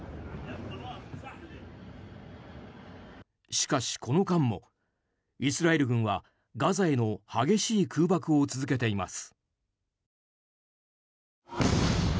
しかし、この間もイスラエル軍はガザへの激しい空爆を続けています。